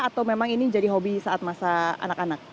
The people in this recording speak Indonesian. atau memang ini jadi hobi saat masa anak anak